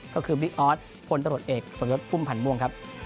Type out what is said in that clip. ก็คือวิ๊กอ๊อตซ์คนตะหรัดเอกส่วนยกภูมิผ่านม่วง